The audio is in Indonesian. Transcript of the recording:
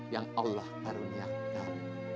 yang allah perunyakan